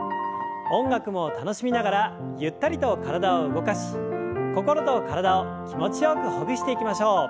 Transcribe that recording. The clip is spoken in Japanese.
音楽も楽しみながらゆったりと体を動かし心と体を気持ちよくほぐしていきましょう。